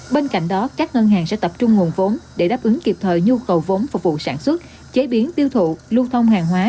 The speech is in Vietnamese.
bên cạnh đó các ngân hàng sẽ tập trung nguồn vốn để đáp ứng kịp thời nhu cầu vốn phục vụ sản xuất chế biến tiêu thụ lưu thông hàng hóa